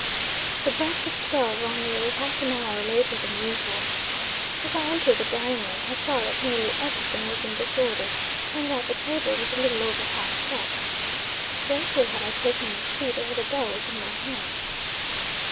The breakfast bell rung nearly half an hour later than usual. As I entered the dining room, I saw that nearly every thing was in disorder, and that the table was little over half set. Scarcely had I taken my seat, ere the bell was in my hand.